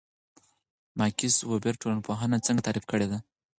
ماکس وِبر ټولنپوهنه څنګه تعریف کړې ده؟